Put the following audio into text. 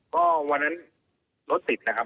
ก็วันนั้นรถติดนะครับ